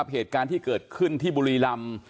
เหตุการณ์ที่เกิดขึ้นที่บุรีรำ